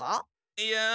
いや。